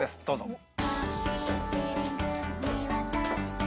どうぞ。